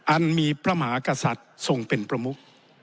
อันมีพระมหากษัตริย์ทรงเป็นประมุก